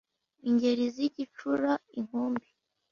ingeri zigicura inkumbi